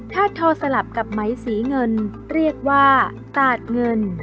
ถ้าทอสลับกับไหมสีเงินเรียกว่าตาดเงิน